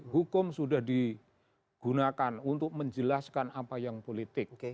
hukum sudah digunakan untuk menjelaskan apa yang politik